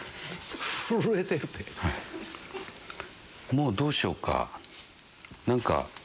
もうどうしようか。